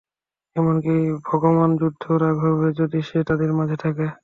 এমনকি ভগবান বুদ্ধও রাগ হবে, যদি সে তাদের মাঝে থাকে।